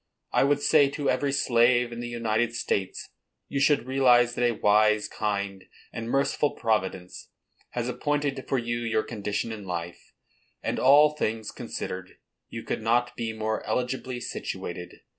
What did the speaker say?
I would say to every slave in the United States, "You should realize that a wise, kind, and merciful Providence has appointed for you your condition in life; and, all things considered, you could not be more eligibly situated.